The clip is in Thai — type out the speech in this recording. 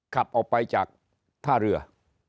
ขับออกไปจากท่าเรือ